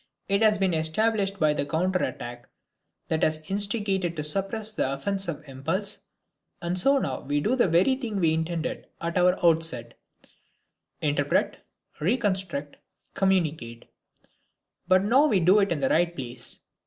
It has been established by the counter attack that was instigated to suppress the offensive impulse. And so now we do the very thing we intended at the outset: interpret, reconstruct, communicate but now we do it in the right place.